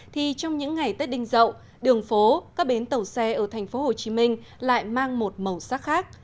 thì trong những ngày tết đinh rậu đường phố các bến tàu xe ở thành phố hồ chí minh lại mang một màu sắc khác